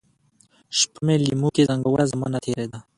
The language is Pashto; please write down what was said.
شپه مي لېموکې زنګوله ، زمانه تیره ده